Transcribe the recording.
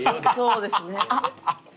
そうですね。